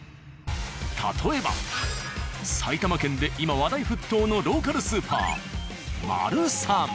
例えば埼玉県で今話題沸騰のローカルスーパー。